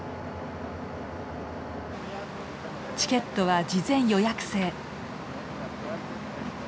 チケットは事前予約制。